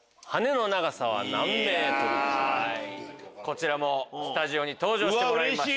こちらもスタジオに登場してもらいましょう。